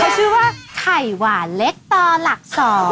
เขาชื่อว่าไข่หวานเล็กต่อหลัก๒